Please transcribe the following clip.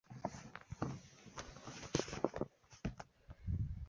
革新共产主义生态左翼是希腊的一个已不存在的共产主义政党。